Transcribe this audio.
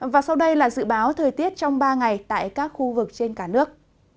và sau đây là dự báo thời tiết trong ba ngày tại các khu vực trên cả nước